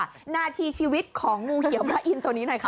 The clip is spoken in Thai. หน้าที่ชีวิตของงูเขียวพระอินทร์ตัวนี้หน่อยค่ะ